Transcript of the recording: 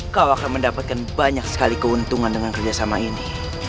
kau akan mendapatkan banyak sekali keuntungan dengan kerjasama ini